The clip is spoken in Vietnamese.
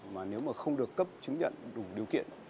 mà nếu mà không được cấp chứng nhận đủ điều kiện